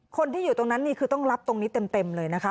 คนที่อยู่ตรงนั้นนี่คือต้องรับตรงนี้เต็มเลยนะคะ